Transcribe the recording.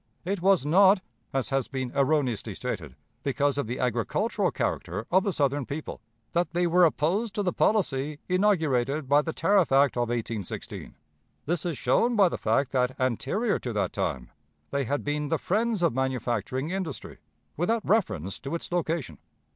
It was not, as has been erroneously stated, because of the agricultural character of the Southern people, that they were opposed to the policy inaugurated by the tariff act of 1816. This is shown by the fact that anterior to that time they had been the friends of manufacturing industry, without reference to its location.